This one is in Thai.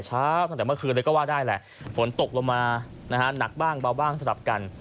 ตั้งแต่เมื่อคืนเลยก็ว่าได้แหละฝนตกลงมานะฮะหนักบ้างเบาบ้างสลับกัน